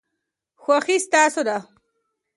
خوښي ستاسو ده.